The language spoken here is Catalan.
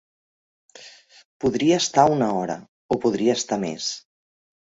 Podria estar una hora, o podria estar més.